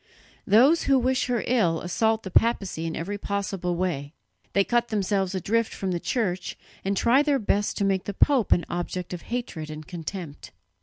Those who wish her ill assault the papacy in every possible way; they cut themselves adrift from the Church, and try their best to make the pope an object of hatred and contempt.